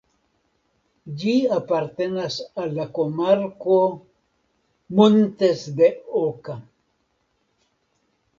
Ĝi apartenas al la komarko "Montes de Oca".